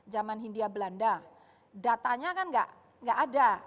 zaman hindia belanda datanya kan nggak ada